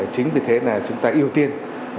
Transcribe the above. chính vì thế chúng ta yêu tiên